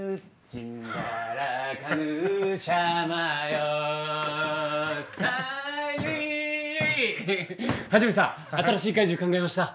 一さん新しい怪獣考えました。